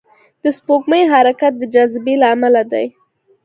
د سپوږمۍ حرکت د جاذبې له امله دی.